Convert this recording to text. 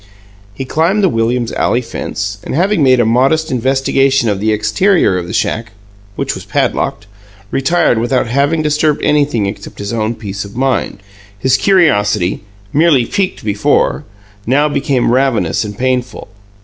He climbed the Williams' alley fence, and, having made a modest investigation of the exterior of the shack, which was padlocked, retired without having disturbed anything except his own peace of mind. His curiosity, merely piqued before, now became ravenous and painful.